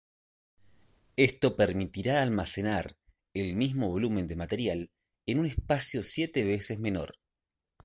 Esto permitirá almacenar el mismo volumen de material en un espacio siete veces menor.